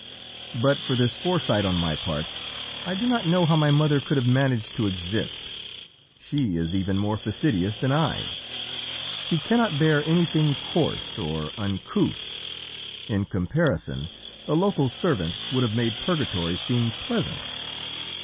But for this foresight on my part, I do not know how my mother could have managed to exist. "She is even more fastidious than I. She cannot bear anything coarse or uncouth in comparison a local servant would have made purgatory seem pleasant.